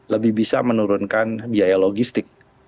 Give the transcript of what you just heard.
lebih bisa menurunkan biaya logistik